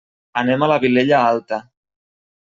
Anem a la Vilella Alta.